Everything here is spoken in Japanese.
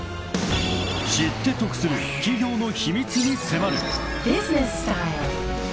［知って得する企業の秘密に迫る］